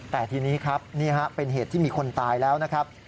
แต่ทีนี้ครับนี่ฮะเป็นเหตุที่มีคนตายแล้วนะครับ